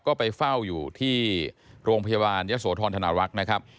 ก็ไปเฝ้าอยู่ที่โรงพยาบาลยะโสธรธนารักษ์นะครับ